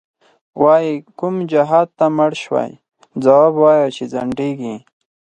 وایې کوم جهادته مړ شوی، ځواب وایه چی ځندیږی